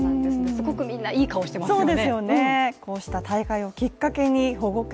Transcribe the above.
すごくみんないい顔してますよね。